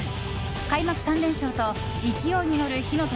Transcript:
開幕３連勝と勢いに乗る火の鳥